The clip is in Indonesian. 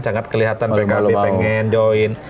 sangat kelihatan pkb pengen join